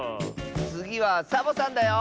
つぎはサボさんだよ。